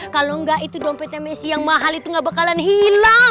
kalau enggak itu dompet emisi yang mahal itu gak bakalan hilang